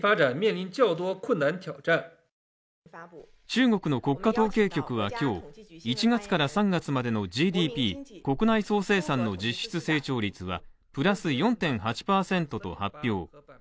中国の国家統計局は今日１月から３月までのＧＤＰ＝国内総生産の実質成長率はプラス４．８％と発表。